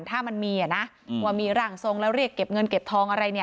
ถ้ามันมีอ่ะนะว่ามีร่างทรงแล้วเรียกเก็บเงินเก็บทองอะไรเนี่ย